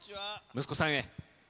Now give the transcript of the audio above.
息子さんへ。